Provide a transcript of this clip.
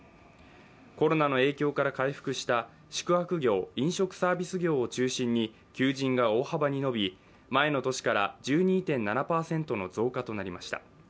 コロナの影響から回復した宿泊業・飲食サービス業を中心に求人が大幅に伸び、前の年から１２．７％の増加となりました。